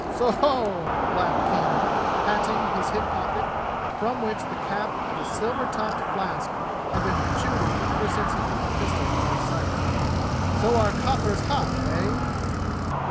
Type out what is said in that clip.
"So ho!" laughed King, patting his hip pocket, from which the cap of a silver topped flask had been protruding ever since he put the pistol out of sight. "So our copper's hot, eh?"